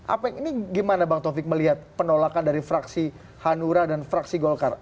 apa ini gimana bang taufik melihat penolakan dari fraksi hanura dan fraksi golkar